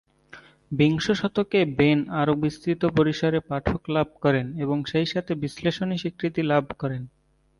বিংশ শতকে বেন আরও বিস্তৃত পরিসরে পাঠক লাভ করেন, এবং সেইসাথে বিশ্লেষণী স্বীকৃতি লাভ করেন।